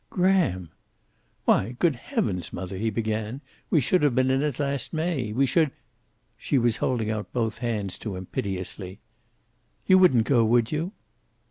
"Graham!" "Why, good heavens, mother," he began, "we should have been in it last May. We should " She was holding out both hands to him, piteously. "You wouldn't go, would you?"